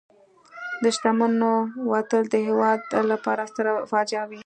د شتمنو وتل د هېواد لپاره ستره فاجعه وي.